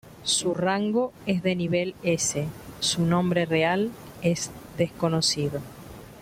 Su Rango es de nivel S. Su nombre real es desconocido.